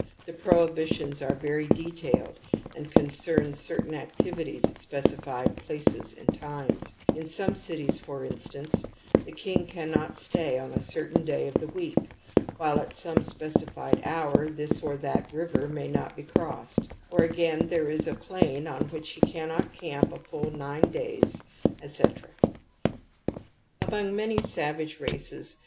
The prohibitions are very detailed and concern certain activities at specified places and times ; in some cities, for instance, the king cannot stay on a certain day of the week, while at some specified hour this or that river may not be crossed, or again there is a plaii\| on which he cannot camp a full nine days, etc. >\Ti3nng,mff ny ffM^ag^ rar>gs_f.